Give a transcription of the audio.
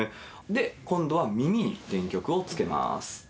で、今度は耳に電極をつけます。